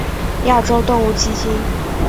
亚洲动物基金。